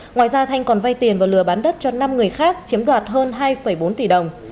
ngoài ra thanh còn vay tiền và lừa bán đất cho năm người khác chiếm đoạt hơn hai bốn tỷ đồng